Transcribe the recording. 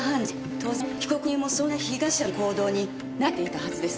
当然被告人もそんな被害者の行動に慣れていたはずです。